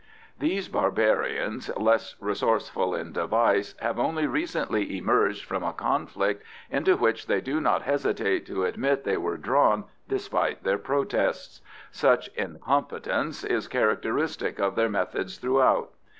These barbarians, less resourceful in device, have only recently emerged from a conflict into which they do not hesitate to admit they were drawn despite their protests. Such incompetence is characteristic of their methods throughout.